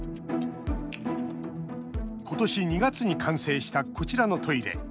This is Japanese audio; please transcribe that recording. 今年２月に完成したこちらのトイレ。